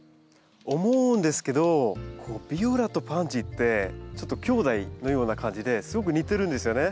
思うんですけどビオラとパンジーってちょっときょうだいのような感じですごく似てるんですよね。